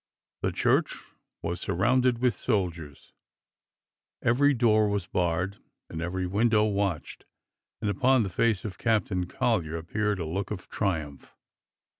The church was surrounded with soldiers, every door was barred and every window watched; and upon the face of Captain Collyer ap peared a look of triumph.